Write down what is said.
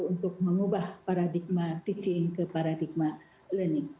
untuk mengubah paradigma teaching ke paradigma learning